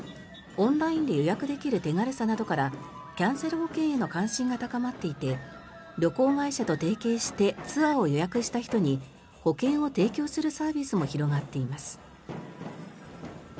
オンラインで予約できる手軽さなどからキャンセル保険への関心が高まっていて旅行会社と提携してツアーを予約した人に保険を提供するサービスも広がっています。